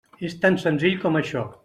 És tan senzill com això.